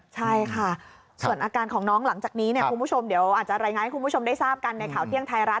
ใช่ค่ะส่วนอาการของน้องหลังจากนี้คุณผู้ชมเดี๋ยวอาจจะรายงานให้คุณผู้ชมได้ทราบกันในข่าวเที่ยงไทยรัฐ